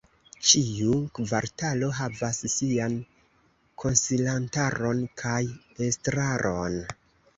Ĉiu kvartalo havas sian konsilantaron kaj estraron.